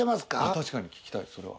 確かに聞きたいそれは。